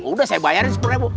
udah saya bayarin sepuluh ribu